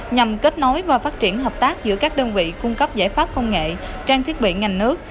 nhằm kết nối và phát triển hợp tác giữa các đơn vị cung cấp giải pháp công nghệ trang thiết bị ngành nước